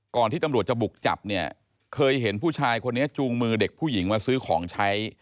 ที่ตำรวจจะบุกจับเนี่ยเคยเห็นผู้ชายคนนี้จูงมือเด็กผู้หญิงมาซื้อของใช้